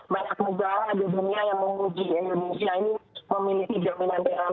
banyak negara di dunia yang menguji indonesia ini memiliki jaminan dalam